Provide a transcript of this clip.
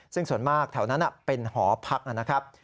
ซึ่งส่วนมากแถวนั้นเป็นหอพักนะครับ